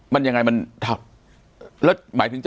ปากกับภาคภูมิ